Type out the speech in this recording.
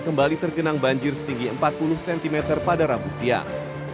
kembali tergenang banjir setinggi empat puluh cm pada rabu siang